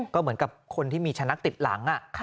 ก็เหมือนกับคนที่มีชนะติดหลัง